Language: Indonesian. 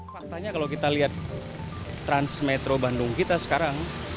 faktanya kalau kita lihat transmetro bandung kita sekarang